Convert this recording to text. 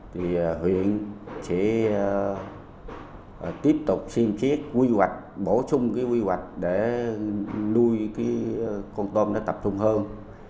thì huyện sẽ tiếp tục xin chiếc quy hoạch bổ sung cái quy hoạch để nuôi cái con tôm